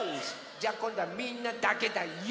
じゃあこんどはみんなだけだＹＯ！